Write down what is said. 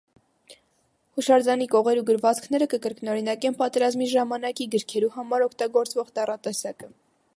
Յուշարձանի կողերու գրուածքները կը կրկնօրինակեն պատերազմի ժամանակի գիրքերու համար օգտագործուող տառատեսակը։